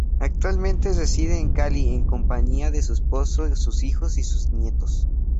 Actualmente reside en Cali en compañía de su esposo, sus hijos y sus nietos.